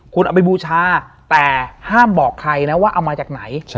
คุณเอาไปบูชาแต่ห้ามบอกใครนะว่าเอามาจากไหน